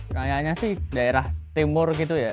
kayaknya sih daerah timur gitu ya